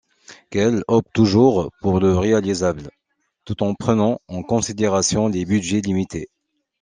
Kiel opte toujours pour le réalisable, tout en prenant en considération les budgets limités.